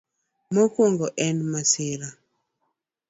Mokwongo, en masira.